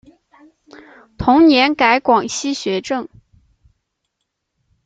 同年改广西学政。